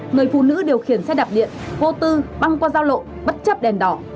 người phụ nữ điều khiển xe đạp điện vô tư băng qua giao lộ bất chấp đèn đỏ